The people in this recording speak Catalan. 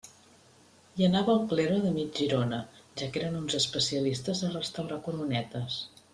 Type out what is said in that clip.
Hi anava el clero de mig Girona, ja que eren uns especialistes a restaurar coronetes.